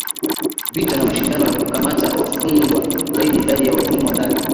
vita na mashindano ya kukamata wafungwa zaidi Idadi ya watumwa ndani